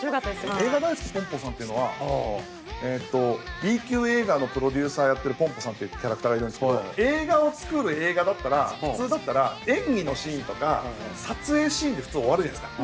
「映画大好きポンポさん」っていうのはＢ級映画のプロデューサーやってるポンポさんっていうキャラクターがいるんですけど映画を作る映画だったら普通だったら演技のシーンとか撮影シーンで普通終わるじゃないですか。